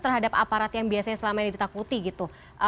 terhadap aparat yang biasanya selama ini ditakuti gitu